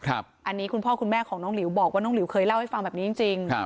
อันนี้คุณพ่อคุณแม่ของน้องหลิวบอกว่าน้องหลิวเคยเล่าให้ฟังแบบนี้จริง